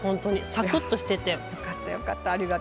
サクッとしてて。